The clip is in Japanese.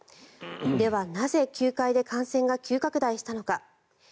では、なぜ球界で感染が急拡大したのか。